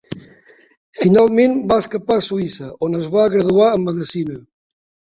Finalment va escapar a Suïssa on es va graduar en medicina.